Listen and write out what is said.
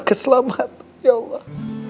keselamatan ya allah